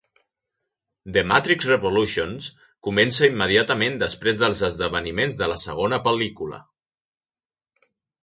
"The Matrix Revolutions" comença immediatament després dels esdeveniments de la segona pel·lícula.